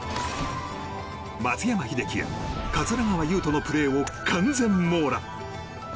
松山英樹や桂川有人のプレーを完全網羅。